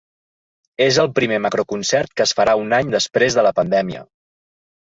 És el primer macroconcert que es farà un any després de la pandèmia.